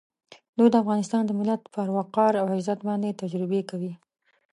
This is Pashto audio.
دوی د افغانستان د ملت پر وقار او عزت باندې تجربې کوي.